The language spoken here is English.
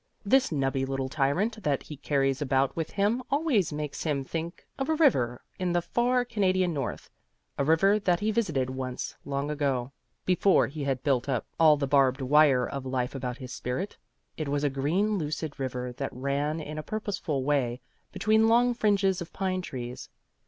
This nubby little tyrant that he carries about with him always makes him think of a river in the far Canadian north, a river that he visited once, long ago, before he had built up all the barbed wire of life about his spirit. It was a green lucid river that ran in a purposeful way between long fringes of pine trees.